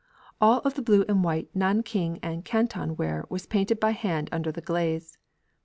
All of the blue and white Nankin and Canton ware was painted by hand under the glaze.